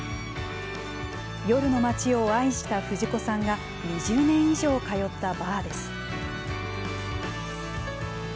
夜の街を愛した藤子さんが２０年以上通ったバーです。